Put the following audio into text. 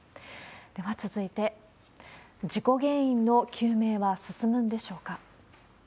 では続いて、事故原因の究明は進むんでしょうか。